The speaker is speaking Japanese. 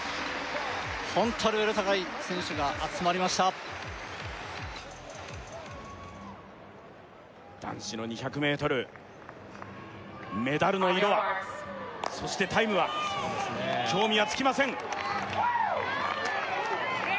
ホントレベル高い選手が集まりました男子の２００ｍメダルの色はそしてタイムは興味は尽きません